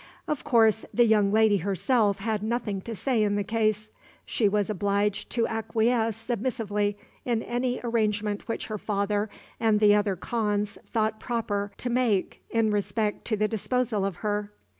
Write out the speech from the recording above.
Of course, the young lady herself had nothing to say in the case. She was obliged to acquiesce submissively in any arrangement which her father and the other khans thought proper to make in respect to the disposal of her.